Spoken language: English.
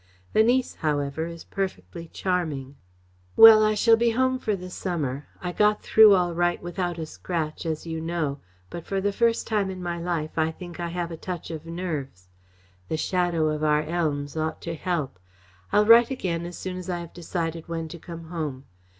The niece, however, is perfectly charming. Well, I shall be home for the summer. I got through all right without a scratch, as you know, but for the first time in my life I think I have a touch of nerves. The shadow of our elms ought to help. I'll write again as soon as I have decided when to come home.